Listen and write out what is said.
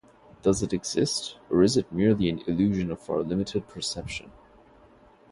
Does it exist or is it merely an illusion of our limited perception?